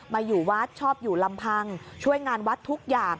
อยู่วัดชอบอยู่ลำพังช่วยงานวัดทุกอย่าง